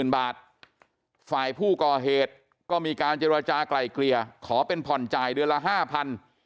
๒๗๐๐๐๐๐บาทฝ่ายผู้ก่อเหตุก็มีการจริราชาไกลเกลียขอเป็นผ่อนจ่ายเดือนละ๕๐๐๐